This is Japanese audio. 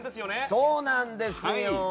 そうなんですよ。